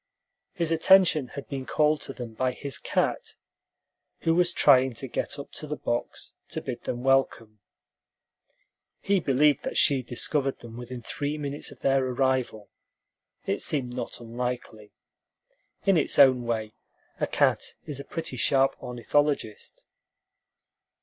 His attention had been called to them by his cat, who was trying to get up to the box to bid them welcome. He believed that she discovered them within three minutes of their arrival. It seemed not unlikely. In its own way a cat is a pretty sharp ornithologist.